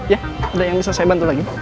ya ada yang bisa saya bantu lagi